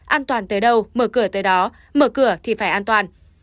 an toàn tới đâu mở cửa tới đó mở cửa thì phải an toàn